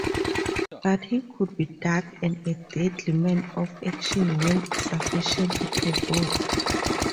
But he could be dark and a deadly man of action when sufficiently provoked.